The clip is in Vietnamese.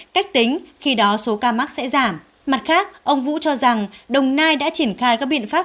cách tính khi đó số ca mắc sẽ giảm mặt khác ông vũ cho rằng đồng nai đã triển khai các biện pháp